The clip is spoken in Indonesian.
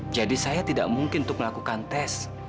jadi saya tidak mungkin untuk melakukan tes